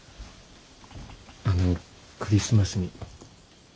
あのクリスマスに。